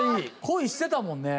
恋してたもんね。